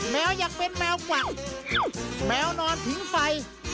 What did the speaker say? แมวอยากเป็นแมวกวักแมวนอนผิงไฟ